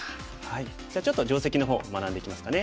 じゃあちょっと定石の方学んでいきますかね。